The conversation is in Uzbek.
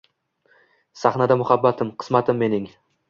Sahnada muhabbatim – qismatim mening